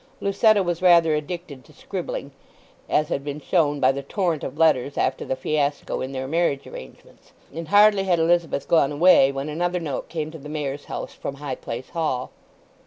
Lucetta was rather addicted to scribbling, as had been shown by the torrent of letters after the fiasco in their marriage arrangements, and hardly had Elizabeth gone away when another note came to the Mayor's house from High Place Hall.